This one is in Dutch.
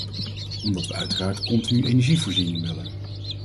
Omdat we uiteraard continue energievoorziening willen.